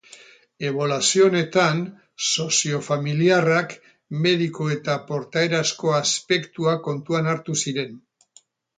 Ebaluazio honetan sozio-familiarrak, mediko- eta portaerazko-aspektuak kontuan hartu ziren.